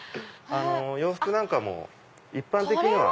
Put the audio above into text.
洋服なんかも一般的には。